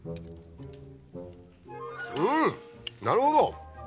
うんなるほど！